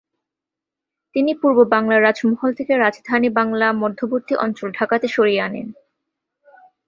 তিনি পূর্ব বাংলা রাজমহল থেকে রাজধানী বাংলার মধ্যবর্তী অঞ্চল ঢাকাতে সরিয়ে আনেন।